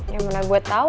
ya mana gue tau